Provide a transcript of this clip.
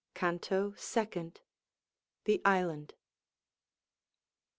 CANTO SECOND. The Island.